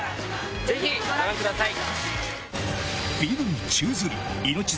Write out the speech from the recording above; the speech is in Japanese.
ぜひご覧ください。